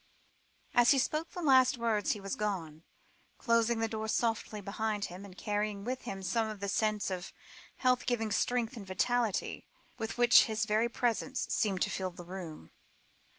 As he spoke the last words he was gone, closing the door softly behind him, and carrying with him some of the sense of health giving strength and vitality, with which his very presence seemed to fill the room.